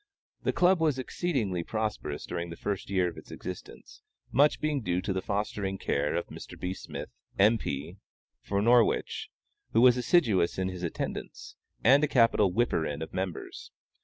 The Club was exceedingly prosperous during the first year of its existence, much being due to the fostering care of Mr. B. Smith, M. P. for Norwich, who was assiduous in his attendance, and a capital "whipper in" of members.